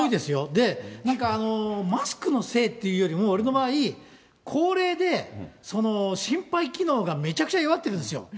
で、なんかマスクのせいっていうよりも、俺の場合、高齢で心肺機能がめちゃくちゃ弱ってるんですよ。